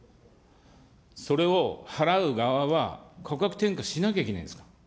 それを払う側は、価格転嫁しなきゃいけないんですから。